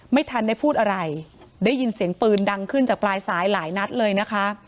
ไม่ทันได้พูดอะไรได้ยินเสียงปืนดังขึ้นจากปลายสายหลายนัดเลยนะคะ